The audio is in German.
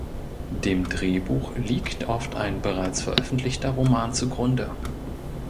Dem Drehbuch liegt oft ein bereits veröffentlichter Roman zugrunde.